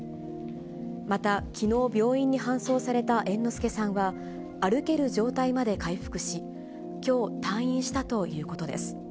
また、きのう病院に搬送された猿之助さんは、歩ける状態まで回復し、きょう退院したということです。